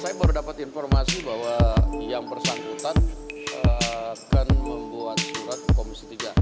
saya baru dapat informasi bahwa yang bersangkutan akan membuat surat komisi tiga